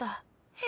え？